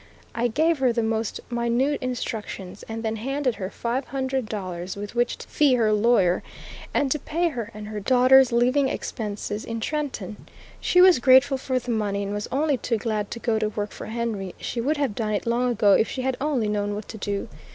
I gave her the most minute instructions, and then handed her five hundred dollars with which to fee her lawyer, and to pay her and her daughter's living expenses in Trenton. She was grateful for the money, and was only too glad to go to work for Henry; she would have done it long ago if she had only known what to do.